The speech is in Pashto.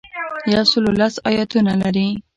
یو سل لس ایاتونه لري.